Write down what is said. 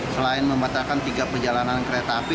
selain membatalkan tiga perjalanan kereta api